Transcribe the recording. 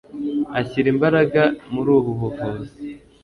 ashyira imbaraga muri ubu buvuzi